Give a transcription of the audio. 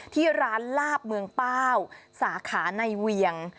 ที่ร้านลาบเมืองเป้าสาขาในเวียง